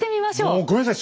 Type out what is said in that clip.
もうごめんなさい